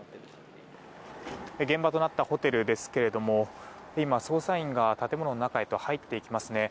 現場となったホテルですが今、捜査員が建物の中へと入っていきますね。